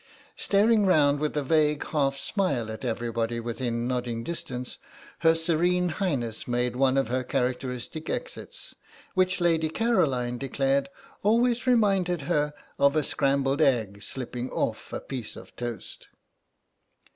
Staring round with a vague half smile at everybody within nodding distance, Her Serene Highness made one of her characteristic exits, which Lady Caroline declared always reminded her of a scrambled egg slipping off a piece of toast.